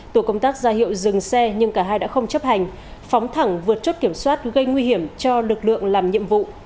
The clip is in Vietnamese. tổ công tác ra hiệu dừng xe nhưng cả hai đã không chấp hành phóng thẳng vượt chốt kiểm soát gây nguy hiểm cho lực lượng làm nhiệm vụ